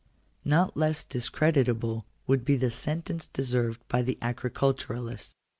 Not less discreditable would be the sentence deserved by the agriculturists.